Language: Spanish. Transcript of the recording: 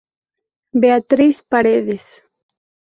Beatriz Paredes.